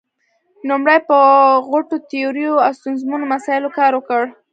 نومړې په غټو تیوریو او ستونزمنو مسايلو کار وکړ.